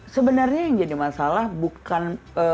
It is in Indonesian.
sebenarnya yang jadi masalah bukan memilih jogjakarta